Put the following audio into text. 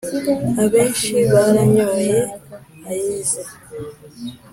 Abenshi baranyoye ay’ize !